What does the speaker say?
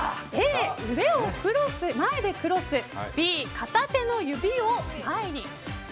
Ａ、腕を前でクロスＢ、片手の指を輪に。